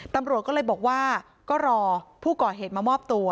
ตำรวจก็เลยบอกว่าก็รอผู้ก่อเหตุมามอบตัว